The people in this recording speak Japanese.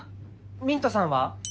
ミントさんは？